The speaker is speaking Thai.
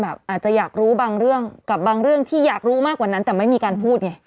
อาจจะอยากรู้บางเรื่องกับบางเรื่องที่อยากรู้มากกว่านั้นแต่ไม่มีการพูดไง